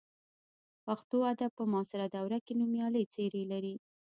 پښتو ادب په معاصره دوره کې نومیالۍ څېرې لري.